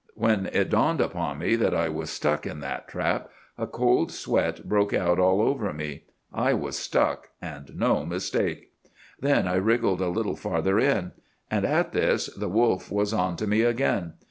When it dawned upon me that I was stuck in that trap, a cold sweat broke out all over me. I was stuck, and no mistake. Then I wriggled a little farther in; and, at this, the wolf was onto me again.